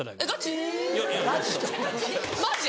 マジ？